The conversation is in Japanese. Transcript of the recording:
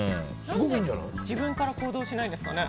自分から行動しないんですかね。